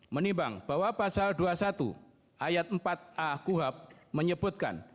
menimbang bahwa pasal dua puluh satu ayat empat a kuhab menyebutkan